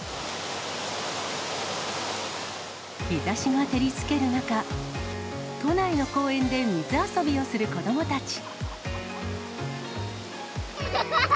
日ざしが照りつける中、都内の公園で水遊びをする子どもたち。